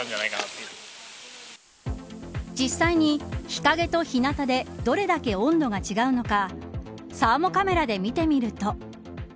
実際に日陰と日なたでどれだけ温度が違うのかサーモカメラで見てみると。